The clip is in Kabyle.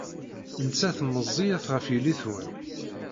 Nettat meẓẓiyet ɣef yelli-twen!